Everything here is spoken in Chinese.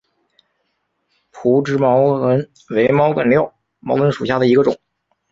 匍枝毛茛为毛茛科毛茛属下的一个种。